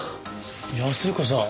安彦さん